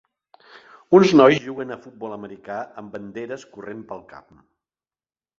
Uns nois juguen a futbol americà amb banderes corrent pel camp.